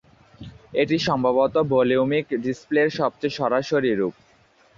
এটি সম্ভবত ভলিউমিক ডিসপ্লের সবচেয়ে 'সরাসরি' রূপ।